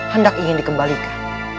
handak ingin dikembalikan